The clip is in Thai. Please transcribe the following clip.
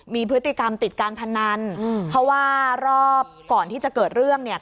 มีพฤติกรรมติดการพนันเพราะว่ารอบก่อนที่จะเกิดเรื่องเนี่ย